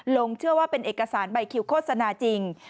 ลงเชื่อว่าเป็นเอกสารใบคิวโฆษณาจริง